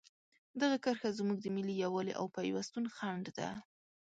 دغه کرښه زموږ د ملي یووالي او پیوستون خنډ ده.